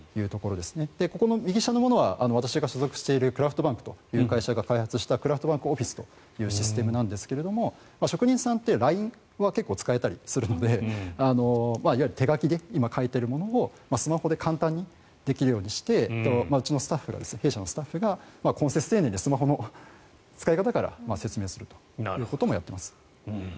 ここの右下のものは私が所属しているクラフトバンクという会社が開発したクラフトバンクオフィスというシステムなんですが職人さんってＬＩＮＥは結構使えたりするので手書きで今書いているものをスマホで簡単に書くようにしてうちのスタッフが、懇切丁寧にスマホの使い方から説明するということもやっています。